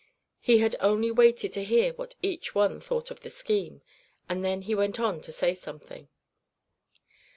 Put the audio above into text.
He had only waited to hear what each one thought of the scheme, and then he went on to say something.